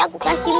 aku kasih mie